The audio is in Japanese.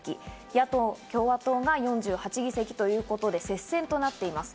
野党・共和党が４８議席ということで接戦となっています。